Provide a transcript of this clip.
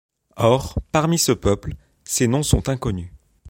Or, parmi ce peuple, ces noms sont inconnus.